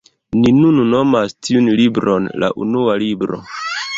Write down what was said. Ni nun nomas tiun libron la Unua Libro.